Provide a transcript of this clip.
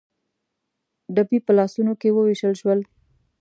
ډبي په لاسونو کې ووېشل شول.